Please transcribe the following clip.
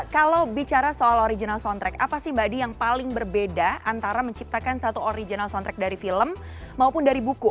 kalau bicara soal original soundtrack apa sih mbak di yang paling berbeda antara menciptakan satu original soundtrack dari film maupun dari buku